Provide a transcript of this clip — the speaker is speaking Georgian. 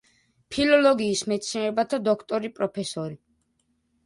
ფილოლოგიის მეცნიერებათა დოქტორი, პროფესორი.